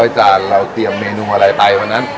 จานเราเตรียมเมนูอะไรไปวันนั้น